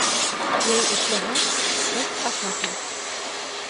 Йәй эшләһәң, ҡыш ашарһың.